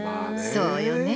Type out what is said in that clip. そうよね。